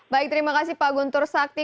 baik terima kasih pak guntur sakti